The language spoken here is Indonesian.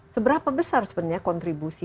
seberapa besar sebenarnya kontribusi